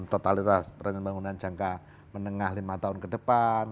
totalitas perenun bangunan jangka menengah lima tahun ke depan